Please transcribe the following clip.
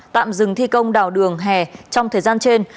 tạm dừng thi công đào đường hè trong thời gian trên